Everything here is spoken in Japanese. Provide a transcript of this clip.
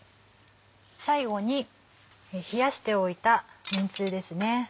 最後に冷やしておいた麺つゆですね。